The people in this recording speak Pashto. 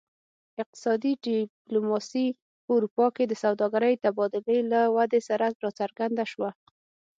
اقتصادي ډیپلوماسي په اروپا کې د سوداګرۍ تبادلې له ودې سره راڅرګنده شوه